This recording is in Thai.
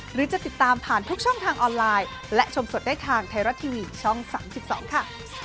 หรือจะติดตามผ่านทุกช่องทางออนไลน์และชมสดได้ทางไทยรัฐทีวีช่อง๓๒ค่ะ